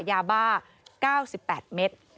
ยาบ้า๙๘เมตร